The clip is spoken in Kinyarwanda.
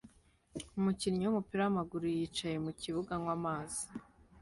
Umukinnyi wumupira wamaguru yicaye mukibuga anywa amazi